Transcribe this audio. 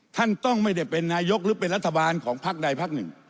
ท่านต้องไม่ได้เป็นนายกหรือเป็นรัฐบาลของพักใดพักหนึ่ง